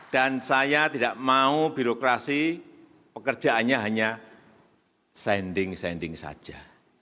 dan saya tidak mau birokrasi pekerjaannya hanya sending sending saja